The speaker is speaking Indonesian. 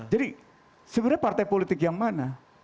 jadi sebenarnya partai politik yang mana